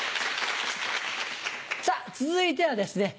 さぁ続いてはですね